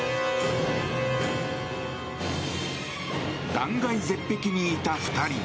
断崖絶壁にいた２人。